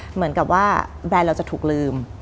เหมือนกับว่าแบรนด์เราจะถูกลืม